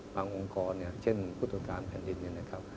บางองค์กรเช่นพุทธการแผ่นดิน